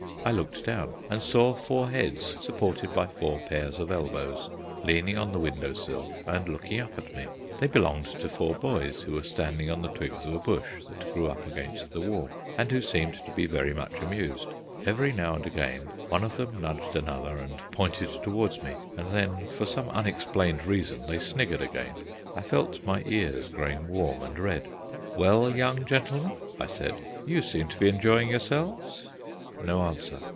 I looked down, and saw four heads supported by four pairs of elbows leaning on the window sill and looking up at me. They belonged to four boys who were standing on the twigs of a bush that grew up against the wall, and who seemed to be very much amused. Every now and again one of them nudged another and pointed towards me; and then, for some unexplained reason, they sniggered again. I felt my ears growing warm and red. "Well, young gentlemen," I said, "you seem to be enjoying yourselves." No answer.